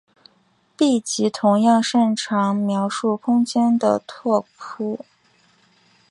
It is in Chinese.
闭集同样擅长描述空间的拓扑。